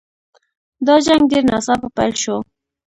دا جنګ ډېر ناڅاپه پیل شو.